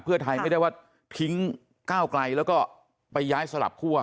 เพื่อไทยไม่ได้ว่าทิ้งก้าวไกลแล้วก็ไปย้ายสลับคั่ว